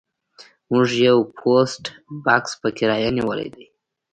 موږ یو پوسټ بکس په کرایه نیولی دی